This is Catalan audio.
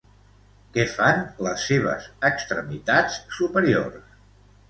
Què fan les seves extremitats superiors?